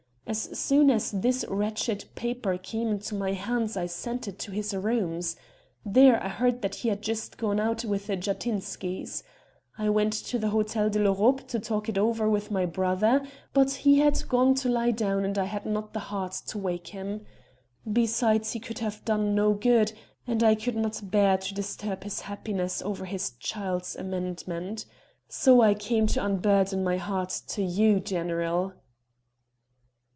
As soon as this wretched paper came into my hands I sent it to his rooms. There I heard that he had just gone out with the Jatinskys. I went to the Hotel de l'Europe to talk it over with my brother, but he had gone to lie down and I had not the heart to wake him. Besides, he could have done no good, and I could not bear to disturb his happiness over his child's amendment. So I came to unburden my heart to you, general."